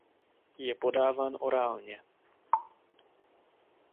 Je podáván orálně.